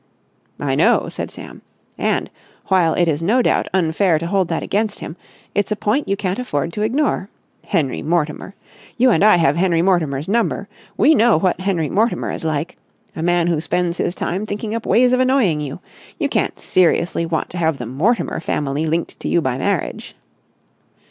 "I know," said Sam. "And, while it is no doubt unfair to hold that against him, it's a point you can't afford to ignore. Henry Mortimer! You and I have Henry Mortimer's number. We know what Henry Mortimer is like! A man who spends his time thinking up ways of annoying you. You can't seriously want to have the Mortimer family linked to you by marriage."